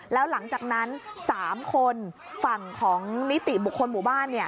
แล้วหลังจากนั้น๓คนฝั่งของนิติบุคคลหมู่บ้าน